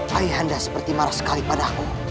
tapi anda seperti marah sekali padaku